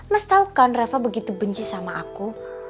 mas tau kan reva begitu benci sama aku